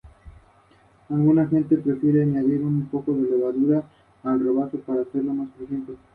Sin embargo, no es capaz de decírselo.